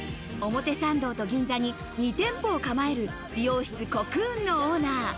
表参道と銀座に２店舗を構える美容室「コクーン」のオーナー。